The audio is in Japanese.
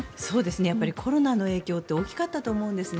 やっぱりコロナの影響って大きかったと思うんですね。